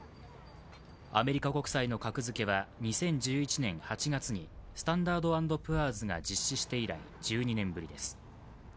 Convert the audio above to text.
アメリカ国債の格付けは２０１１年８月にスタンダード＆プアーズが実施して以来１２年ぶりです。